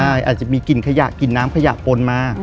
ใช่อาจจะมีกลิ่นขยะกลิ่นน้ำขยะปนมา